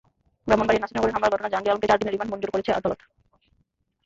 ব্রাহ্মণবাড়িয়ার নাসিরনগরের হামলার ঘটনায় জাহাঙ্গীর আলমকে চার দিনের রিমান্ড মঞ্জুর করেছেন আদালত।